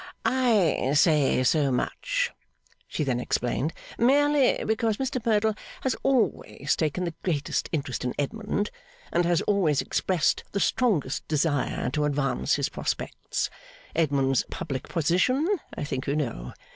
'I say so much,' she then explained, 'merely because Mr Merdle has always taken the greatest interest in Edmund, and has always expressed the strongest desire to advance his prospects. Edmund's public position, I think you know.